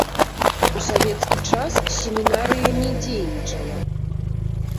У савецкі час семінарыя не дзейнічала.